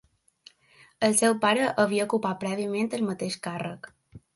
El seu pare havia ocupat prèviament el mateix càrrec.